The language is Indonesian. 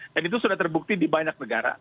itu sudah terbukti di banyak negara